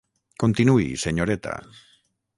Continuï, senyoreta.